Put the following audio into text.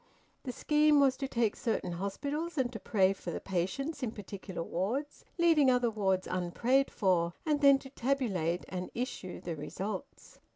The scheme was to take certain hospitals and to pray for the patients in particular wards, leaving other wards unprayed for, and then to tabulate and issue the results.